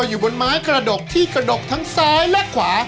อยู่บนไม้กระดกที่กระดกทั้งซ้ายและขวา